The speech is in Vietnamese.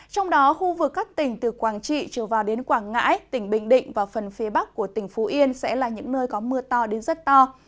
trong đó khu vực các tỉnh từ quảng trị trở vào đến quảng ngãi tỉnh bình định và phần phía bắc của tỉnh phú yên sẽ là những nơi có mưa to đến rất to